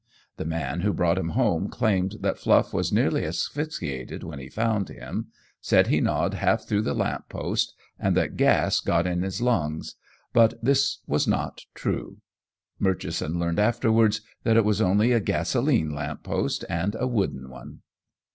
The man who brought him home claimed that Fluff was nearly asphyxiated when he found him; said he gnawed half through the lamp post, and that gas got in his lungs, but this was not true. Murchison learned afterwards that it was only a gasoline lamp post, and a wooden one.